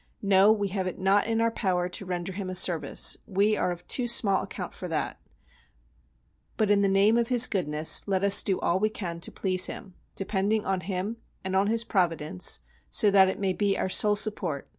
No, we have it not in our power to render Him a service, we are of too small account for that, but in the name of His Goodness let us do all we can to please Him, depending on Him, and on His Providence, so that it may be our sole support.